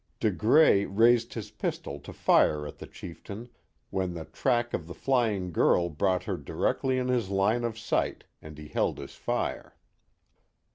De Grais raised his pistol to fire at the chieftain, when the track of the flying girl brought her directly in his line of sight, and he held his fire.